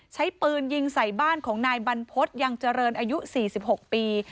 ใช้ปืนยิงใส่บ้านของนายบรรพฤษยังเจริญอายุ๔๖ปี